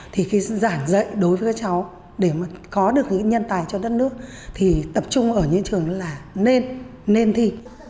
thì khi giảng dạy đối với các cháu để mà có được những nhân tài cho đất nước thì tập trung ở những trường là nên thi